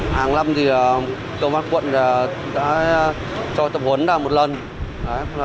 hàng năm thì công an quận đã cho tập huấn một lần